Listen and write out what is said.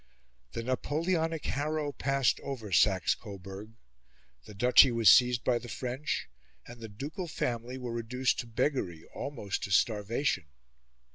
The Napoleonic harrow passed over Saxe Coburg. The duchy was seized by the French, and the ducal family were reduced to beggary, almost to starvation.